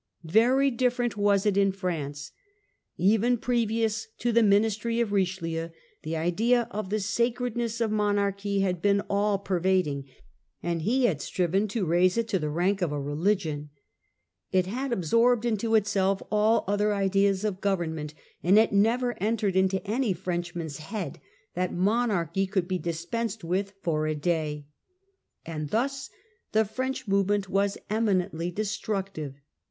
Very different was it in France. Even previous to the ministry of Richelieu the idea of the sacredness of monarchy had been all pervading, and he had striven to raise it to the rank of a religion. It had absorbed nto itself all other ideas of government. 1648. English Rebellion and the Fronde . 31 and it never entered into any Frenchman's head that .monarchy could be dispensed with for a day. And thus the French movement was as eminently destructive.